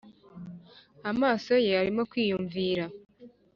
amaso ye arimo kwiyumvira